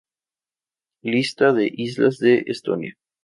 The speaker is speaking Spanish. Lista de islas de Estonia